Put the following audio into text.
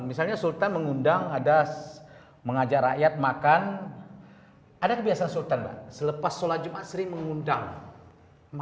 nah ini r yanok iny filho harriet ini tujuannya primal